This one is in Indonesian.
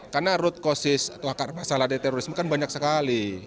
karena root causes atau akar masalah dari terorisme kan banyak sekali